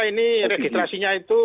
ini registrasinya itu